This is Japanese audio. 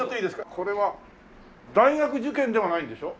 これは大学受験ではないんでしょ？